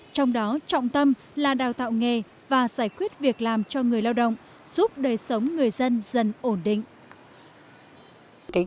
trong đó trọng tâm là đào tạo nghề và giải quyết việc làm cho người lao động giúp đời sống người dân dần ổn định